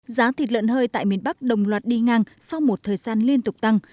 giá thịt lợn hơi tại miền bắc đồng loạt đi ngang sau một thời gian liên tục tăng